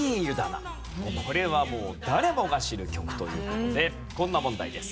これはもう誰もが知る曲という事でこんな問題です。